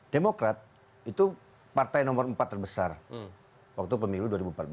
demokrat itu partai nomor empat terbesar waktu pemilu dua ribu empat belas